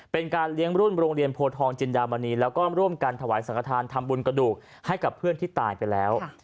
เป็นการเลี้ยงรุ่นโรงเรียนโพทองจินดามณีแล้วก็ร่วมกันถวายสังขทานทำบุญกระดูกให้กับเพื่อนที่ตายไปแล้ว